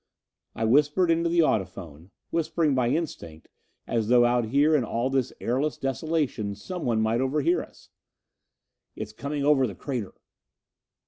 I whispered into the audiphone whispering by instinct, as though out here in all this airless desolation someone might overhear us! "It's coming over the crater."